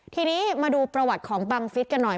ทีนี้มาดูประวัติของบังฟิศกันหน่อย